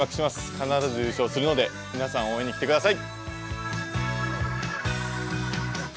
必ず優勝するので、皆さん、応援に来てください。